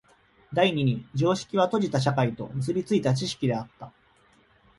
第二に常識は閉じた社会と結び付いた知識であった。